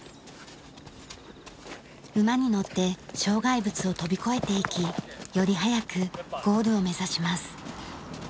馬に乗って障害物を跳び越えていきより早くゴールを目指します。